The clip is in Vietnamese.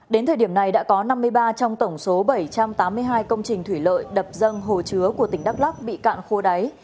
đến thời điểm này đã có năm mươi ba trong tổng số bảy trăm tám mươi hai công trình thủy lợi đập dâng hồ chứa của tỉnh đắk lắc bị cạn khô đáy